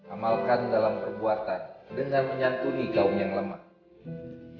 amalkan dalam kebuatan dengan menyantuni kaum yang lemah